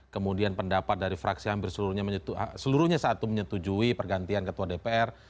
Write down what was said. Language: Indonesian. kemudian pendapat dari fraksi hampir seluruhnya satu menyetujui pergantian ketua dpr